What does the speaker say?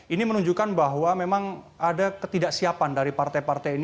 ini menunjukkan bahwa memang ada ketidaksiapan dari partai partai ini